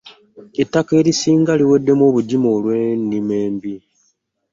Ettaka erisinga liweddemu obugimu olwennima embi .